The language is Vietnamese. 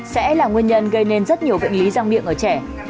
sẽ là nguyên nhân gây nên rất nhiều bệnh lý răng miệng ở trẻ